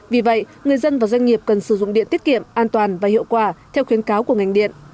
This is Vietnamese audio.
vì vậy người dân và doanh nghiệp cần sử dụng điện tiết kiệm an toàn và hiệu quả theo khuyến cáo của ngành điện